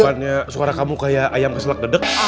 bukannya suara kamu kayak ayam keslak dedek